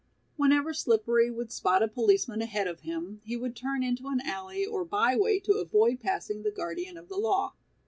Whenever Slippery would spot a policeman ahead of him he would turn into an alley or by way to avoid passing the guardian of the law.